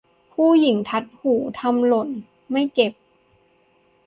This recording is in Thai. ผู้หญิงทัดหู ทำหล่นไม่เก็บ